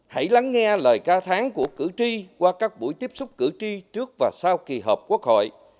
hãy lắng nghe lời ca tháng của cử tri qua các buổi tiếp xúc cử tri trước và sau kỳ họp quốc hội